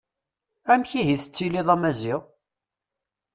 Amek ihi i tettiliḍ a Maziɣ?